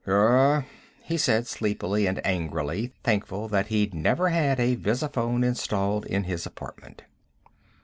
"Gur?" he said, sleepily and angrily, thankful that he'd never had a visiphone installed in his apartment.